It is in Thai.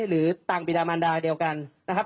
หรือต่างปีดามันดาเดียวกันนะครับ